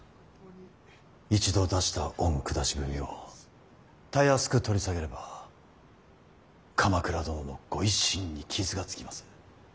一度出した御下文をたやすく取り下げれば鎌倉殿のご威信に傷がつきます。